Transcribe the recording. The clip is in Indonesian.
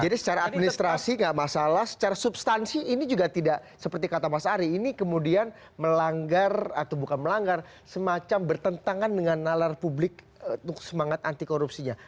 jadi secara administrasi tidak masalah secara substansi ini juga tidak seperti kata mas ari ini kemudian melanggar atau bukan melanggar semacam bertentangan dengan nalar publik semangat anti korupsinya